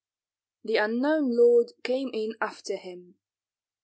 The unknown lord came in after him.